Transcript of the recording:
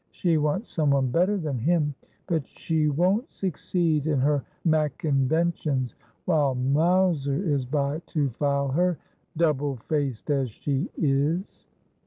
She wants someone better than him. But she won't suc ceed in her mackinventions, while Mowser is by to file her — double faced as she is.'